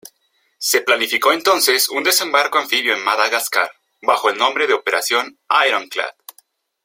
Se planificó entonces un desembarco anfibio en Madagascar, bajo el nombre de operación Ironclad.